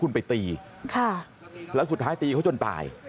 ลูกสาวหลายครั้งแล้วว่าไม่ได้คุยกับแจ๊บเลยลองฟังนะคะ